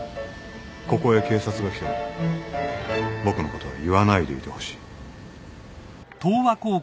ここへ警察が来ても僕のことは言わないでいてほしい。